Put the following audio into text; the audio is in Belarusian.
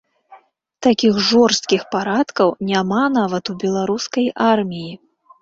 Такіх жорсткіх парадкаў няма нават у беларускай арміі!